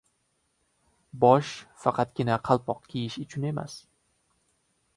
• Bosh faqatgina qalpoq kiyish uchun emas.